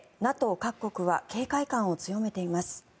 各国は警戒感を強めています。